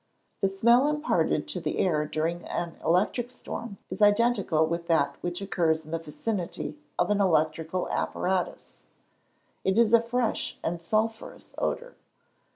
The smell imparted to the air during an electric storm is identical with that which occurs in the vicinity of an electrical apparatus it is a fresh and sulphurous odour.